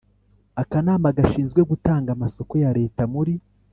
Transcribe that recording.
Akanama gashinzwe gutanga amasoko ya Leta muri